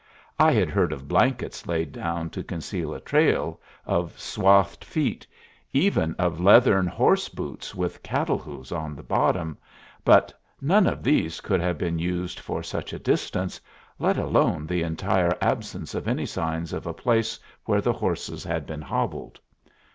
I had heard of blankets laid down to conceal a trail, of swathed feet, even of leathern horse boots with cattle hoofs on the bottom, but none of these could have been used for such a distance, let alone the entire absence of any signs of a place where the horses had been hobbled.